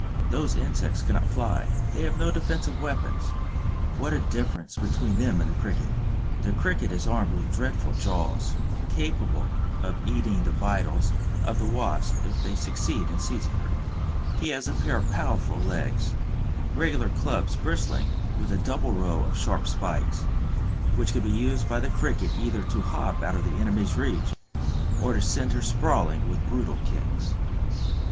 Those insects cannot fly, they have no defensive weapons. What a difference between them and the Cricket! The Cricket is armed with dreadful jaws, capable of eating the vitals out of the Wasp if they succeed in seizing her; he has a pair of powerful legs, regular clubs bristling with a double row of sharp spikes, which can be used by the Cricket either to hop out of his enemy's reach, or to send her sprawling with brutal kicks.